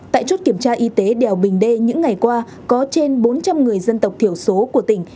tại chốt kiểm tra y tế đèo bình đê những ngày qua có trên bốn trăm linh người dân tộc thiểu số của tỉnh